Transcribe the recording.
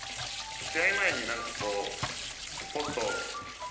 試合前になんかこうポストをちょっと。